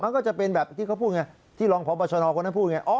ก็จะเป็นแบบที่เขาพูดไงที่รองพบชนคนนั้นพูดไง